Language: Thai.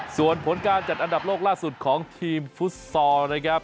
ส่วนผลการจัดอันดับโลกล่าสุดของทีมฟุตซอลนะครับ